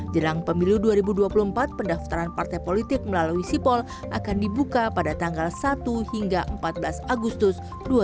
jelang pemilu dua ribu dua puluh empat pendaftaran partai politik melalui sipol akan dibuka pada tanggal satu hingga empat belas agustus dua ribu dua puluh